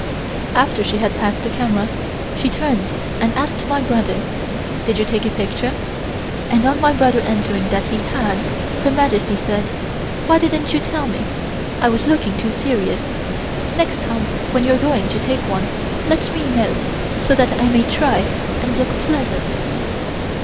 After she had passed the camera she turned and asked my brother: "Did you take a picture?" and on my brother answering that he had, Her Majesty said: "Why didn't you tell me? I was looking too serious. Next time when you are going to take one, let me know so that I may try and look pleasant."